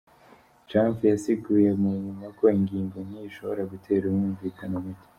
Trump yasiguye mu nyuma ko ingingo nk’iyo ishobora gutera umwumvikano muke.